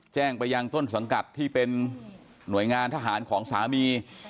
แจ้งไปยังต้นสังกัดที่เป็นหน่วยงานทหารของสามี